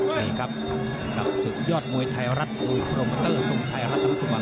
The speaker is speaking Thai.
นี่ครับสุขยอดมวยไทยรัฐโปรโมเตอร์สงชัยรัฐนักสมัย